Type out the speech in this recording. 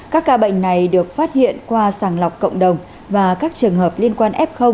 các ca bệnh này được phát hiện qua sàng lọc cộng đồng và các trường hợp liên quan f